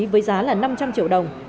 với giá là năm trăm linh triệu đồng